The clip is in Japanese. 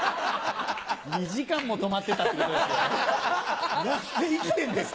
２時間も止まってたってことですよ！